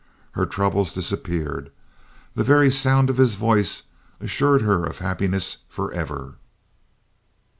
Her troubles disappeared. The very sound of his voice assured her of happiness forever.